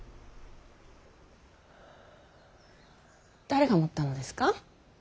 誰が盛ったのですか。